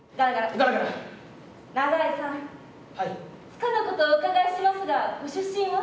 つかぬことをお伺いしますがご出身は？